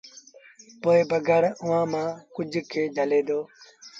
پوء بگھڙ اُئآݩٚ مآݩٚ ڪجھ کي جھلي دو